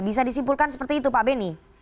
bisa disimpulkan seperti itu pak beni